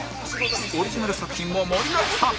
オリジナル作品も盛りだくさん